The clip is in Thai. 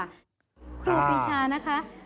ครูปีชานะคะ